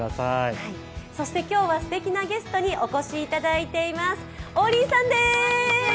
そして今日はすてきなゲストにお越しいただいています。